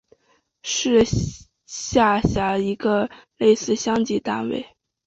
是下辖的一个类似乡级单位。